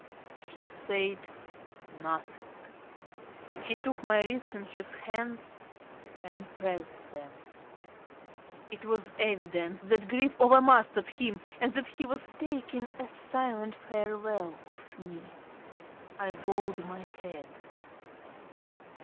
He said nothing. He took my wrists in his hands and pressed them. It was evident that grief over mastered him and that he was taking a silent farewell of me. I bowed my head.